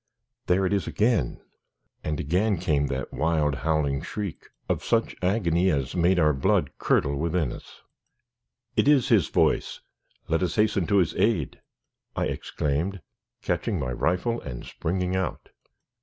There it is again!" And again came that wild, howling shriek of such agony as made our blood curdle within us. "It is his voice! Let us hasten to his aid," I exclaimed, catching my rifle, and springing out.